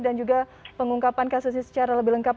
dan juga pengungkapan kasusnya secara lebih lengkap